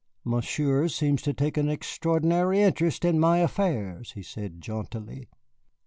"Monsieur seems to take an extraordinary interest in my affairs," he said jauntily.